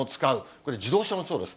これ、自動車もそうです。